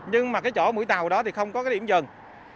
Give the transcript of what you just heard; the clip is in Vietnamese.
nhưng mà cái chỗ mũi tàu đó thì không có cái điểm dừng